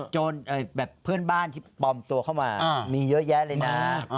แบบเพื่อนบ้านที่ปลอมตัวเข้ามามีเยอะแยะเลยนะ